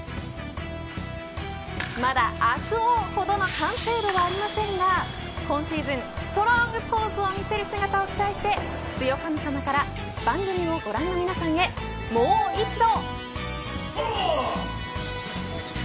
まだ熱男ほどの完成度はありませんが今シーズン、ストロングポーズを見せる姿を期待して強神様から番組をご覧の皆さんへもう一度。